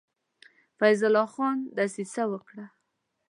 فیض الله خان دسیسه وکړه.